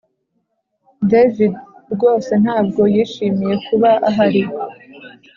David rwose ntabwo yishimiye kuba ahari